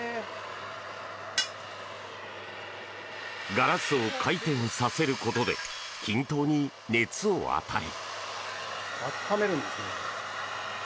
ガラスを回転させることで均等に熱を与え。